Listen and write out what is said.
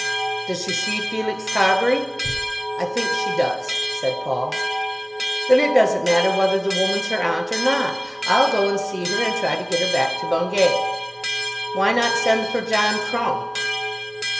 "Does she see Felix Carbury?" "I think she does," said Paul. "Then it doesn't matter whether the woman's her aunt or not. I'll go and see her and try to get her back to Bungay." "Why not send for John Crumb?"